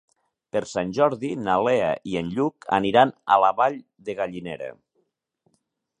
Per Sant Jordi na Lea i en Lluc aniran a la Vall de Gallinera.